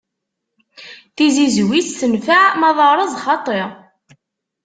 Tizizwit tenfeɛ ma d areẓ xaṭi.